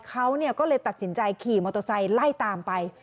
เขาก็เลยตัดสินใจขี่มอเตอร์ไซค์ไล่ตามไป